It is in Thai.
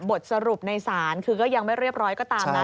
บทสรุปในศาลคือก็ยังไม่เรียบร้อยก็ตามนะ